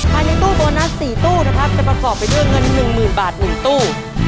ภายในตู้โบนัส๔ตู้นะครับจะประกอบไปด้วยเงิน๑๐๐๐บาท๑ตู้